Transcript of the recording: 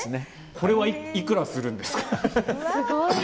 これはいくらするんですか？